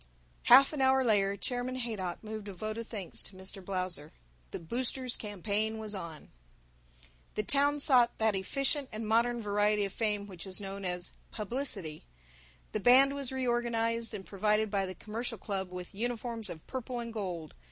Half an hour later Chairman Haydock moved a vote of thanks to Mr. Blausser. The boosters' campaign was on. The town sought that efficient and modern variety of fame which is known as "publicity." The band was reorganized, and provided by the Commercial Club with uniforms of purple and gold.